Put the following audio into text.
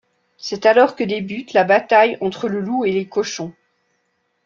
C'est alors que débute la bataille entre le loup et les cochons.